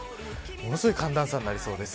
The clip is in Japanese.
ものすごい寒暖差になりそうです。